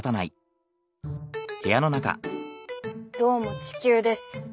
どうも地球です。